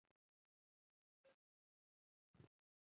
دوهم وار را تر غاړې شو.